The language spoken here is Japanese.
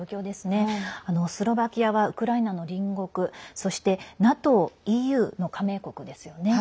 スロバキアはウクライナの隣国そしてＮＡＴＯＥＵの加盟国ですよね。